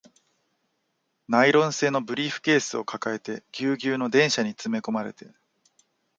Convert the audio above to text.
ナイロン製のブリーフケースを抱えて、ギュウギュウの電車に詰め込まれて